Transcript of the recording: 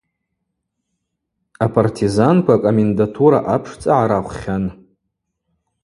Апартизанква акомендатура апшцӏа гӏарахвхьан.